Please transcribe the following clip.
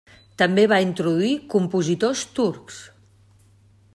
També va introduir compositors turcs.